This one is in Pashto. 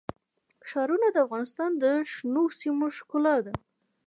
ښارونه د افغانستان د شنو سیمو ښکلا ده.